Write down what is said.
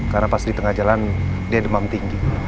karena pas di tengah jalan dia demam tinggi